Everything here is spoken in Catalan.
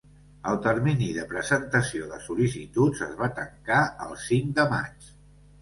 El termini de presentació de sol·licituds es va tancar el cinc de maig.